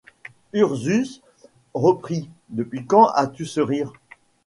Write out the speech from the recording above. Ursus reprit :— Depuis quand as-tu ce rire ?